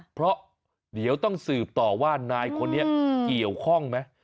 เพราะเดี๋ยวต้องสืบต่อว่านายคนนี้เกี่ยวข้องไหม